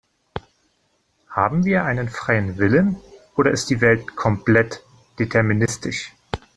Haben wir einen freien Willen oder ist die Welt komplett deterministisch?